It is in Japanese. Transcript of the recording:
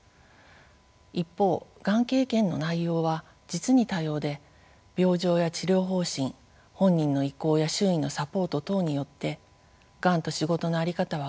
一方がん経験の内容は実に多様で病状や治療方針本人の意向や周囲のサポート等によってがんと仕事の在り方は大きく変わります。